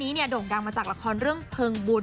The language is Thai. น้องคนนี้ด่งดังมาจากราคอลเรื่องเพิงบุญ